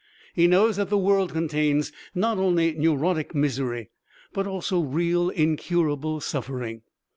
He knows that the world contains not only neurotic misery, but also real, incurable suffering.